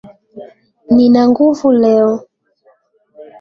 Nina nguvu leo.